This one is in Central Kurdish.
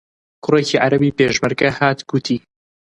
کوڕێکی عەرەبی پێشمەرگە هات گوتی: